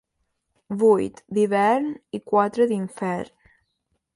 Vuit d'hivern i quatre d'infern.